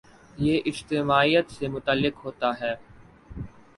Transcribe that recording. یہ اجتماعیت سے متعلق ہوتا ہے۔